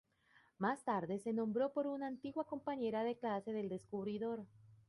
Más tarde se nombró por una antigua compañera de clase del descubridor.